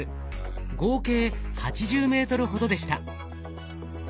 合計８０ｍほどでした。